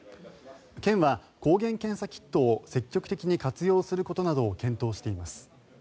県は抗原検査キットを積極的に活用することなどを検討しています。